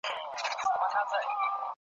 چي کرۍ ورځ یې په سرو اوښکو تیریږي !.